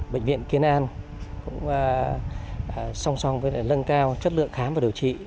bệnh viện kiến an cũng song song với lân cao chất lượng khám và điều trị